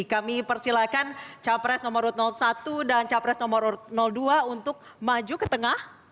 kami persilahkan capres nomor satu dan capres nomor dua untuk maju ke tengah